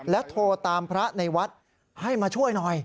โทรตามพระในวัดให้มาช่วยหน่อย